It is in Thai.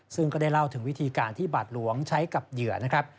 ซึ่งก็ได้เล่าถึงวิธีการที่บาทหลวงใช้กับเหยื่อนะครับ